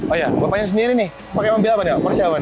oh ya gue tanya sendiri nih pakai mobil apa nih pak porsche apa nih